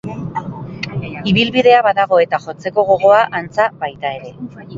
Ibilbidea badago eta jotzeko gogoa, antza, baita ere.